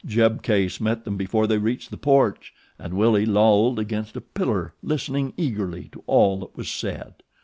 Jeb Case met them before they reached the porch and Willie lolled against a pillar listening eagerly to all that was said.